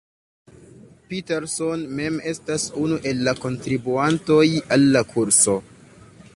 Peterson mem estas unu el la kontribuantoj al la kurso.